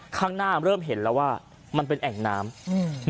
ข้างหน้าเริ่มเห็นแล้วว่ามันเป็นแอ่งน้ำอืม